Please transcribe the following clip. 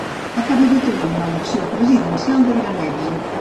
Acabo de tenir una elecció presidencial de gran èxit.